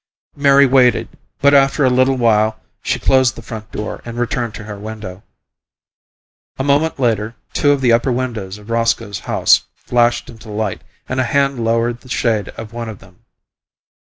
Mary waited, but after a little while she closed the front door and returned to her window. A moment later two of the upper windows of Roscoe's house flashed into light and a hand lowered the shade of one of them.